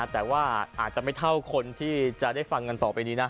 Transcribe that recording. แต่ว่าอาจจะไม่เท่าคนที่จะได้ฟังกันต่อไปนี้นะ